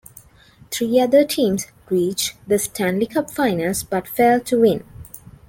Three other teams reached the Stanley Cup Finals, but failed to win.